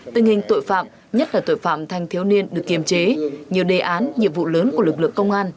tình hình tội phạm nhất là tội phạm thanh thiếu niên được kiềm chế nhiều đề án nhiệm vụ lớn của lực lượng công an